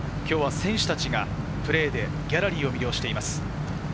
選手たちがプレーでギャラリーを魅了しています。